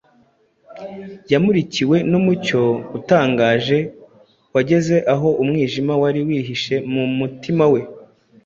Yamurikiwe n’umucyo utangaje wageze aho umwijima wari wihishe mu mutima we.